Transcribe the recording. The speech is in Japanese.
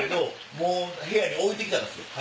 もう部屋に置いて来たんですよは